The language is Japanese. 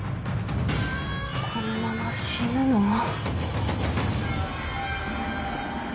このまま死ぬの？